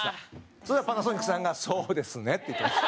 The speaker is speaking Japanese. そしたらパナソニックさんが「そうですね」って言ってました。